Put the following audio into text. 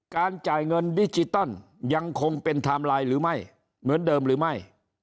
จ่ายเงินดิจิตอลยังคงเป็นไทม์ไลน์หรือไม่เหมือนเดิมหรือไม่